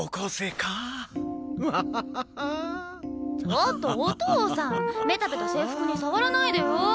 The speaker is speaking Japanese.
ちょっとお父さんベタベタ制服に触らないでよ。